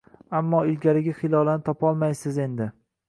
Ammo ilgarigi Hilolani topolmaysiz endi